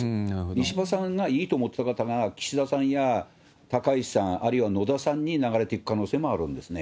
石破さんがいいと思ってた方が、岸田さんや高市さん、あるいは野田さんに流れていく可能性もあるんですね。